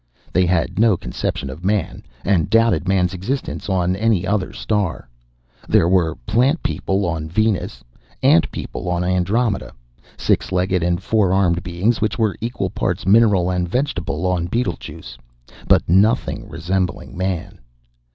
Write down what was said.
They had no conception of man and doubted man's existence on any other star. There were plant people on Venus, ant people on Andromeda, six legged and four armed beings which were equal parts mineral and vegetable on Betelguese but nothing resembling man.